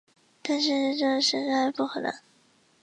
但是这实在不可能